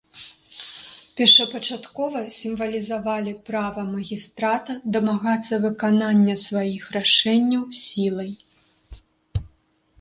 Першапачаткова сімвалізавалі права магістрата дамагацца выканання сваіх рашэнняў сілай.